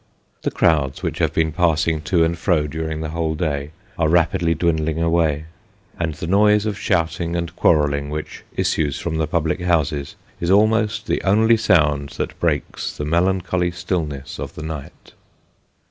The crowds which have been passing to and fro during the whole day, are rapidly dwindling away ; and the noise of shouting and quarrelling which issues from the public houses, is almost the only sound that breaks the melancholy stillness of the night.